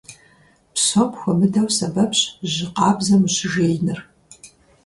Псом хуэмыдэу сэбэпщ жьы къабзэм ущыжеиныр.